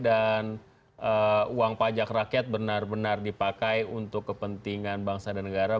dan uang pajak rakyat benar benar dipakai untuk kepentingan bangsa dan negara